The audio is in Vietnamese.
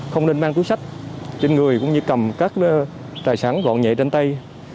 không nên mang túi sách trên người cũng như cầm các tài sản gọn nhẹ trên tay